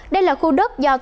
đây là khu đất do tổng thống